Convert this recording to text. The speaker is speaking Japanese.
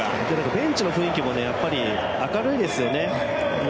ベンチの雰囲気もすごく明るいですよね。